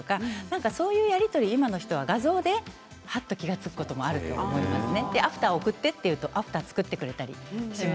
そういうやり取り今の人は画像ではっと気が付くこともあるみたいですね。